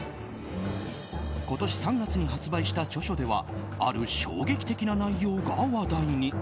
今年３月に発売した著書ではある衝撃的な内容が話題に。